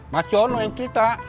mas jono yang cerita